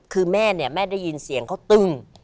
คือแม่เนี่ยแม่ได้ยินเสียงเขาตึ้ง